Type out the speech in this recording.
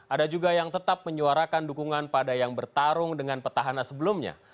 ada juga yang tetap menyuarakan dukungan pada yang bertarung dengan petahana sebelumnya